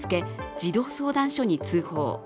児童相談所に通報。